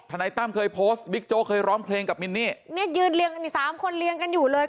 นายตั้มเคยโพสต์บิ๊กโจ๊กเคยร้องเพลงกับมินนี่เนี่ยยืนเรียงกันอีกสามคนเรียงกันอยู่เลย